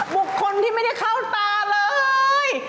บุคคลที่ไม่ได้เข้าตาเลย